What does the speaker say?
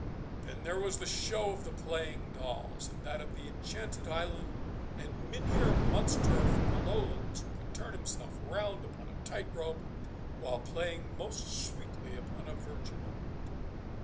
Then there was the show of the playing dolls, and that of the enchanted island and Mynheer Munster from the Lowlands, who could turn himself round upon a tight rope while playing most sweetly upon a virginal.